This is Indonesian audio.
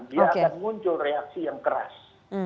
dia akan muncul reaksi yang keras